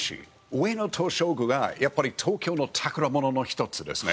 上野東照宮はやっぱり東京の宝物の一つですね。